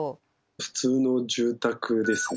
普通の住宅ですね